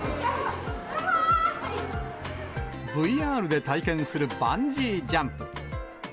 ＶＲで体験するバンジージャンプ。